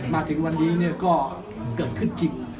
มาถึงวันนี้ก็เกิดขึ้นจริง